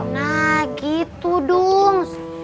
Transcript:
nah gitu dong